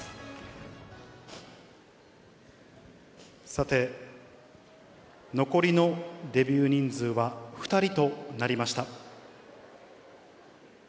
さて、残りのデビュー人数は２人となりました。